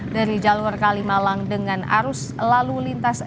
dari jalur kalimalang dengan arus lalu lintas